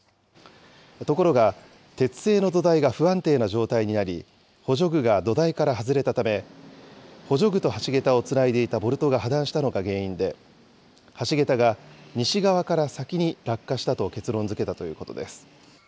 ところが、鉄製の土台が不安定な状態になり、補助具が土台から外れたため、補助具と橋桁をつないでいたボルトが破断したのが原因で、橋桁が西側から先に落下したと結論づけたということです。